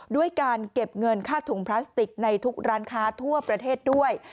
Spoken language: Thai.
ด้วยการเก็บเงินค่าถุงพลาสติกในทุกร้านค้าทั่วประเทศด้วย